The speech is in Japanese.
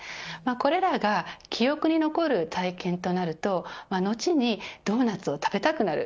これらが記憶に残る体験となると後にドーナツを食べたくなる。